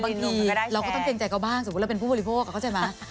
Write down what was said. แต่บางทีเราก็ต้องเตรียมใจกับบ้างสมมติเราเป็นผู้บริโภคเขาเข้าใจมั้ย